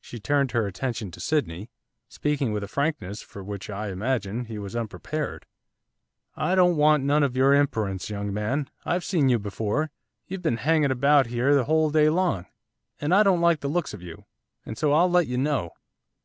She turned her attention to Sydney, speaking with a frankness for which, I imagine, he was unprepared. 'I don't want none of your imperence, young man. I've seen you before, you've been hanging about here the whole day long! and I don't like the looks of you, and so I'll let you know.